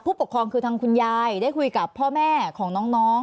ปกครองคือทางคุณยายได้คุยกับพ่อแม่ของน้อง